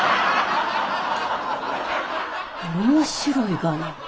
面白いがな。